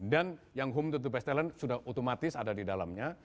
dan yang home to the best talent sudah otomatis ada di dalamnya